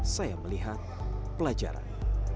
saya melihat pelajaran